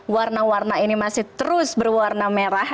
warna warna ini masih terus berwarna merah